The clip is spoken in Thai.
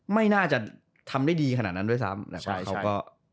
ไม่น่าจะทำได้ดีขนาดนั้นด้วยซ้ำนะครับ